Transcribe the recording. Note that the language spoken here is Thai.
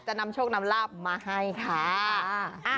นำโชคนำลาบมาให้ค่ะ